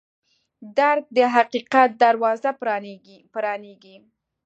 درک د حقیقت دروازه پرانیزي.